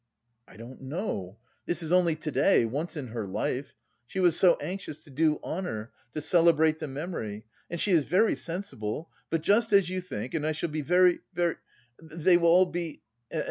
"I don't know... this is only to day, once in her life.... She was so anxious to do honour, to celebrate the memory.... And she is very sensible... but just as you think and I shall be very, very... they will all be...